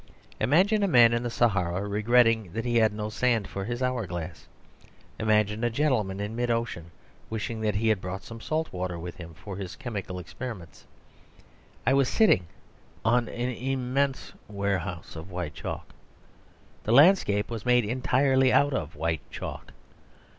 Imagine a man in the Sahara regretting that he had no sand for his hour glass. Imagine a gentleman in mid ocean wishing that he had brought some salt water with him for his chemical experiments. I was sitting on an immense warehouse of white chalk. The landscape was made entirely out of white chalk.